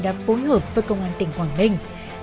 đã phối hợp với công an tỉnh quảng ninh